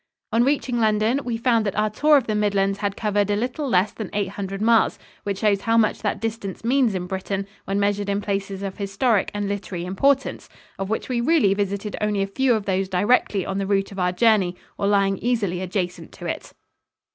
On reaching London, we found that our tour of the Midlands had covered a little less than eight hundred miles, which shows how much that distance means in Britain when measured in places of historic and literary importance, of which we really visited only a few of those directly on the route of our journey or lying easily adjacent to it.